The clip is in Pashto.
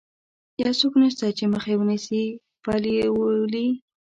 یو څوک نشته چې مخه یې ونیسي، پل یې ولې.